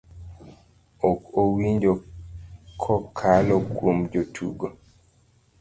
ok owinjo kokalo kuom jotugo,